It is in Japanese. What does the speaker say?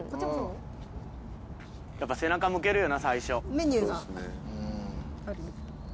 やっぱ背中向けるよな最初。